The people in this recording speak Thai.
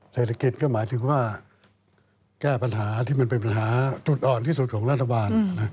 เศรษฐกิจก็หมายถึงว่าแก้ปัญหาที่มันเป็นปัญหาจุดอ่อนที่สุดของรัฐบาล